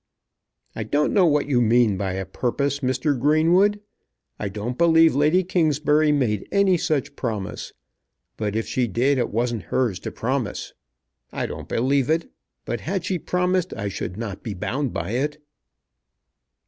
"I don't know what you mean by a purpose, Mr. Greenwood. I don't believe Lady Kingsbury made any such promise; but if she did it wasn't hers to promise. I don't believe it; but had she promised I should not be bound by it."